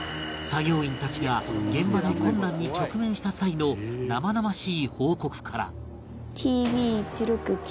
作業員たちが現場で困難に直面した際の生々しい報告から